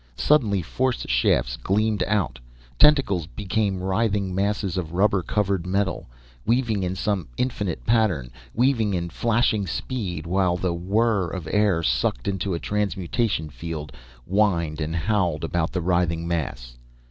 Suddenly, force shafts gleamed out, tentacles became writhing masses of rubber covered metal, weaving in some infinite pattern, weaving in flashing speed, while the whirr of air sucked into a transmutation field, whined and howled about the writhing mass.